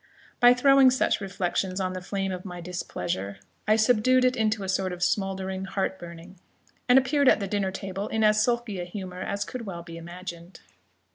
By throwing such reflections on the flame of my displeasure, I subdued it into a sort of smouldering heart burning, and appeared at the dinner table in as sulky a humour as could well be imagined.